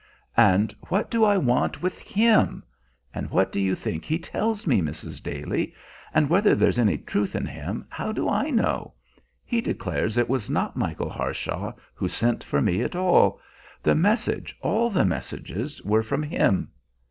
"And what do I want with him! And what do you think he tells me, Mrs. Daly? And whether there's any truth in him, how do I know? He declares it was not Michael Harshaw who sent for me at all! The message, all the messages, were from him.